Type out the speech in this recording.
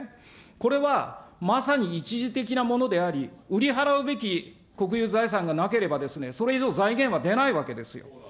これはまさに一時的なものであり、売り払うべき国有財産がなければ、それ以上財源は出ないわけですよ。